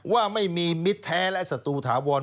ว่าไม่มีมิตรแท้และศัตรูถาวร